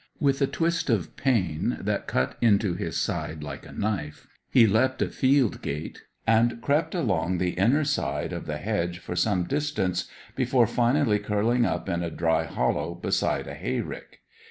With a twist of pain that cut into his side like a knife, he leapt a field gate, and crept along the inner side of the hedge for some distance before finally curling up in a dry hollow beside a hayrick.